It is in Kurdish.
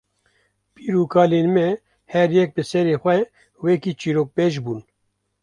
pîr û kalên me her yek bi serê xwe wekî çîrokbêj bûn.